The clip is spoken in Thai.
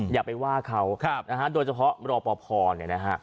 อย่าไปว่าเขานะฮะโดยเฉพาะรอปภเนี่ยนะฮะ